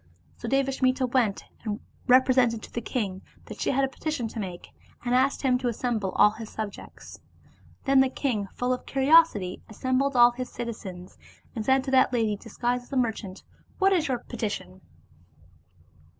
So Devasmita went and represented to the king that she had a petition to make, and asked him to assemble all his subjects. Then the king full of curiosity assembled all the citizens, and said to that lady disguised as a mer chant, "What is your petition?"